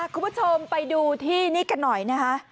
คุณผู้ชมไปดูที่นี่กันหน่อยนะคะ